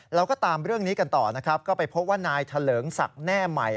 เราก็ตามเรื่องนี้กันต่อนะครับก็ไปพบว่านายเถลิงศักดิ์แน่ใหม่